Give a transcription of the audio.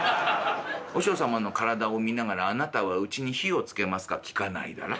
和尚様の体を診ながら『あなたは家に火をつけますか？』聞かないだろう？